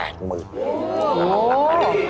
โอ้โฮ